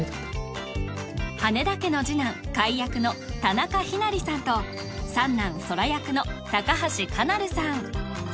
羽田家の次男海役の田仲陽成さんと三男空役の高橋奏琉さん